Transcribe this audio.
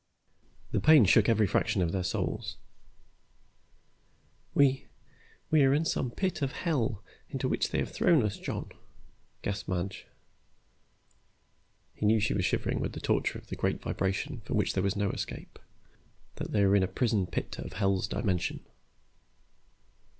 The pain shook every fraction of their souls. "We we are in some pit of hell, into which they have thrown us, John," gasped Madge. He knew she was shivering with the torture of that great vibration from which there was no escape, that they were in a prison pit of Hell's Dimension.